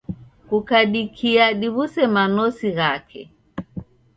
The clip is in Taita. Kukadikia diw'use manosi ghake.